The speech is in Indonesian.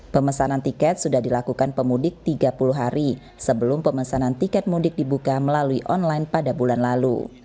pemesanan tiket sudah dilakukan pemudik tiga puluh hari sebelum pemesanan tiket mudik dibuka melalui online pada bulan lalu